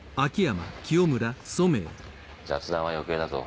雑談は余計だぞ。